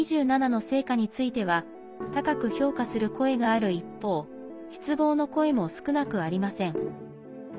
ＣＯＰ２７の成果については高く評価する声がある一方失望の声も少なくありません。